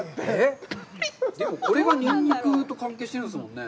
これがニンニクと関係してるんですもんね。